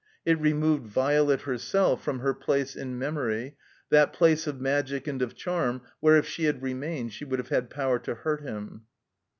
It removed Violet herself from her place in memory, that place of magic and of charm where if she had remained she would have had power to hurt him.